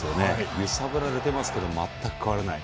揺さぶられてますけど全く変わらない。